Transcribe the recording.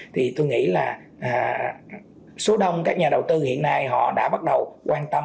tôi nghĩ là số đông các nhà đầu tư hiện nay đã bắt đầu quan tâm